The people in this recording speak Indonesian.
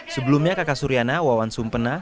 sebelumnya kakak suriana wawan sumpena